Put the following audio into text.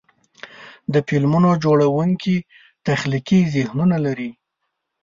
د فلمونو جوړونکي تخلیقي ذهنونه لري.